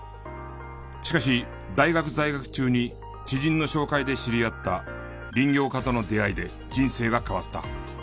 しかし大学在学中に知人の紹介で知り合った林業家との出会いで人生が変わった。